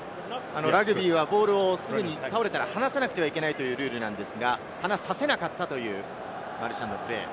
ラグビーはボールをすぐに倒れたら離さなければいけないというルールなんですが、話させなかったというマルシャンのプレー。